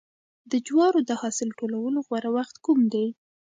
د جوارو د حاصل ټولولو غوره وخت کوم دی؟